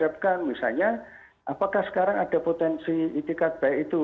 dihadapkan misalnya apakah sekarang ada potensi itikad baik itu